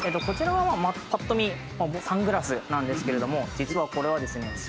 こちらはぱっと見サングラスなんですけれども実はこれはですね